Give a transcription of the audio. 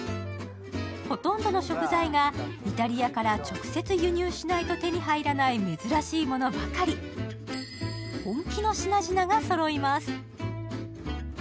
ほとんどの食材がイタリアから直接輸入しないと手に入らない珍しいものばかり、本気の品々がそろいます。